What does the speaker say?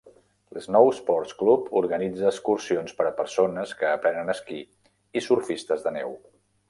L'Snowsports Club organitza excursions per a persones que aprenen esquí i surfistes de neu.